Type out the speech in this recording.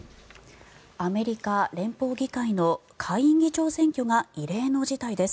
アメリカ連邦議会の下院議長選挙が異例の事態です。